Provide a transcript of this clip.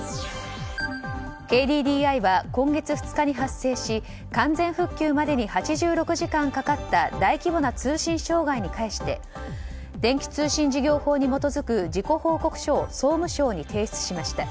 ＫＤＤＩは今月２日に発生し完全復旧までに８６時間かかった大規模な通信障害に関して電気通信事業法に基づく事故報告書を総務省に提出しました。